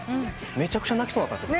めちゃくちゃ泣きそうになったんすよ。